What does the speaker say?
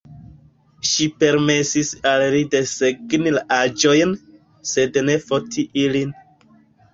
Ŝi permesis al li desegni la aĵojn, sed ne foti ilin.